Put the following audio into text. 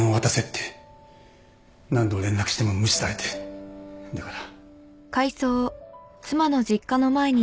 何度連絡しても無視されてだから。